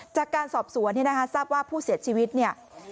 จากการสอบสวนเนี่ยนะคะทราบว่าผู้เสียชีวิตเนี่ย